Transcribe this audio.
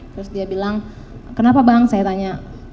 terus dia bilang kenapa bang saya tanya